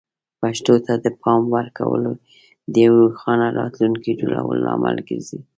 پښتو ته د پام ورکول د یوې روښانه راتلونکې جوړولو لامل ګرځي.